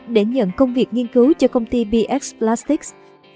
để nhận công việc nghiên cứu cho công ty bx plastics